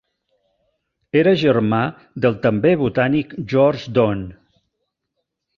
Era germà del també botànic George Don.